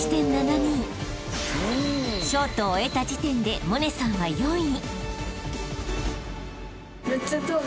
［ショートを終えた時点で百音さんは４位］